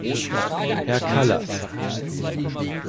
Herr Kallas!